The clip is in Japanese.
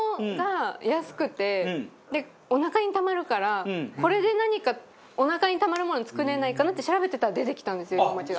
奈緒：これで、何かおなかにたまるもの作れないかなって調べてたら出てきたんですよ、いももちが。